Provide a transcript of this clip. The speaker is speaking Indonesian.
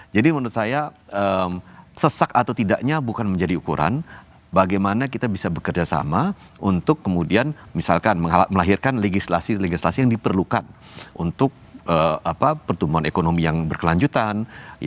jadi menurut saya sesak atau tidaknya bukan menjadi ukuran bagaimana kita bisa bekerja sama untuk kemudian misalkan melahirkan legislasi legislasi yang diperlukan untuk pertumbuhan ekonomi yang berkelanjutan